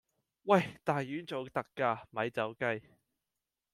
喂！大丸做特價，咪走雞